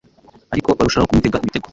Ariko barushaho kumutega imitego;